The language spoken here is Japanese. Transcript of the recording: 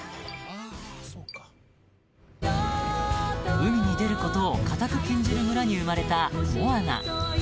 ［海に出ることを固く禁じる村に生まれた］